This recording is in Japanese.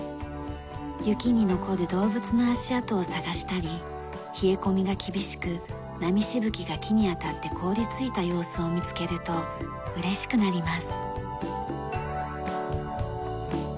雪に残る動物の足跡を探したり冷え込みが厳しく波しぶきが木に当たって凍りついた様子を見つけると嬉しくなります。